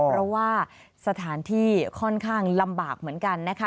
เพราะว่าสถานที่ค่อนข้างลำบากเหมือนกันนะคะ